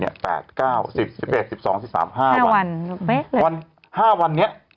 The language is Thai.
๑๒ห้าวัน